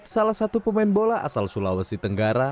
salah satu pemain bola asal sulawesi tenggara